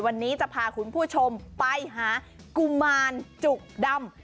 วันนี้จะพาคุณผู้ชมไปหากุมารจุกดำ